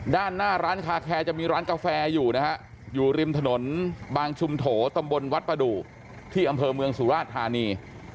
ด้านหน้าร้านคาแคร์จะมีร้านกาแฟอยู่นะฮะอยู่ริมถนนบางชุมโถตำบลวัดประดูกที่อำเภอเมืองสุราชธานี